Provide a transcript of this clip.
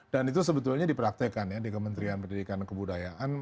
itu sebetulnya dipraktekan ya di kementerian pendidikan dan kebudayaan